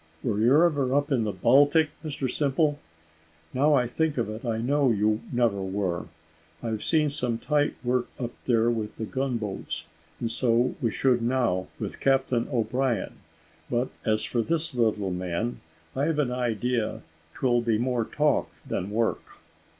Were you ever up the Baltic, Mr Simple? Now I think of it I know you never were. I've seen some tight work up there with the gun boats; and so we should now, with Captain O'Brien; but as for this little man, I've an idea 'twill be more talk than work."